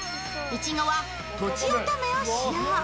いちごはとちおとめを使用。